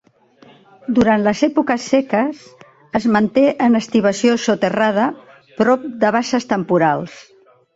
Durant les èpoques seques es manté en estivació soterrada prop de basses temporals.